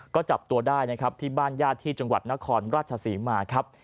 ก็จับตัวได้ทีบ้านยาที่นครรัชศาสิมา